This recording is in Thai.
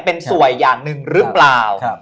เป็นสวยอย่างหนึ่งหรือเปล่า